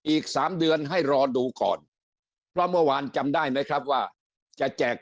อีก๓เดือนให้รอดูก่อนเพราะเมื่อวานจำได้ไหมครับว่าจะแจก